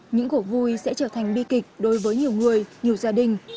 những cuộc vui sẽ trở thành bi kịch đối với nhiều người nhiều gia đình